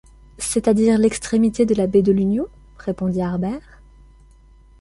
C’est-à-dire l’extrémité de la baie de l’Union? répondit Harbert.